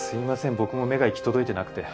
僕も目が行き届いてなくて。